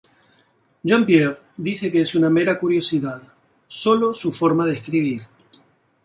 Jean Pierre dice que es una mera curiosidad, sólo su forma de escribir.